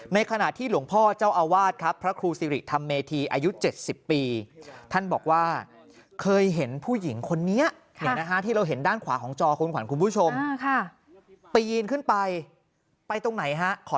ในขณะที่หลวงพ่อเจ้าอาวาสครับพระครูสิริธรรมเมธีอายุ๗๐ปี